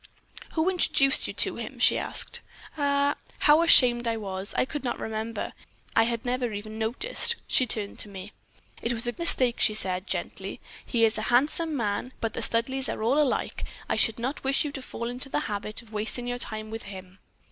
"'Who introduced you to him?'" she asked. "Ah! how ashamed I was. I could not remember; I had never even noticed. She turned to me. "'It was a mistake,' she said, gently. 'He is a handsome man, but the Studleighs are all alike. I should not wish you to fall into the habit of wasting your time with him.'